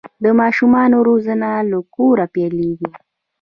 د ماشومانو روزنه له کوره پیلیږي.